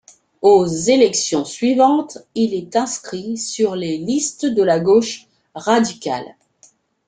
Aux élections suivantes, il est inscrit sur les listes de la gauche radicale.